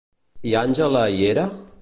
I Angela hi era?